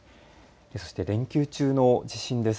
そして連休中の地震です。